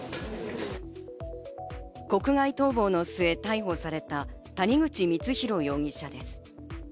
国外逃亡の末、逮捕された谷口光弘容疑者です。